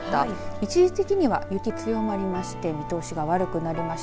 一時的には雪が強まって見通しが悪くなりました。